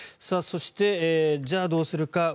そして、じゃあどうするか。